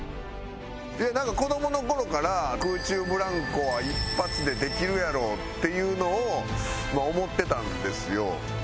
いやなんか子どもの頃から空中ブランコは一発でできるやろっていうのをまあ思ってたんですよ。